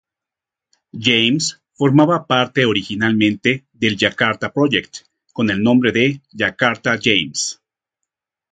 James formaba parte originalmente del Jakarta Project con el nombre de Jakarta-James.